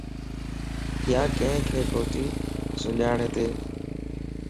ياڪينک ڪوتي سڃاڻ ھتي